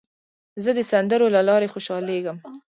زه د سندرو له لارې خوشحالېږم.